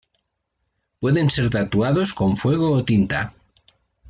Pueden ser tatuados con fuego o tinta.